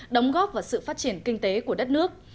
đóng góp vào sự phát triển kinh tế của đất nước